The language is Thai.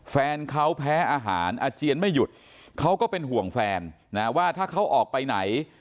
แฟนเขาแพ้อาหารอาเจียนไม่หยุดเขาก็เป็นห่วงแฟนนะว่าถ้าเขาออกไปไหน